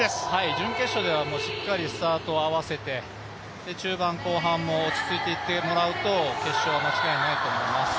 準決勝ではしっかりスタート合わせて、中盤・後半も落ち着いていってもらうと、決勝は間違いないと思います。